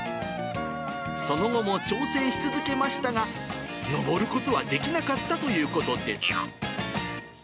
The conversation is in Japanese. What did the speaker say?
その後も挑戦し続けましたが、上ることはできなかったということです。